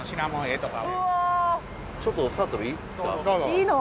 いいの？